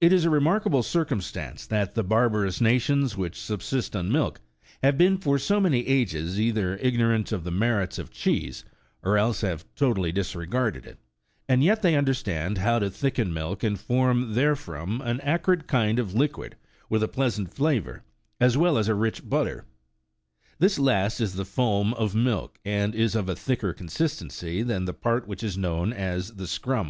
It is a re markable circumstance, that the barbarous nations which sub sist on milk have been for so many ages either ignorant of the merits of cheese, or else have totally disregarded it ; and yet they understand how to thicken milk and form therefrom an acrid kind of liquid with a pleasant flavour, as well as a rich butter : this last is the foam24 of milk, and is of a thicker con sistency than the part which is known as the " serum."